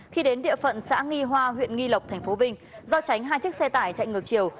khi đến địa phận xã nghi hoa huyện nghi lộc tp vinh do tránh hai chiếc xe tải chạy ngược chiều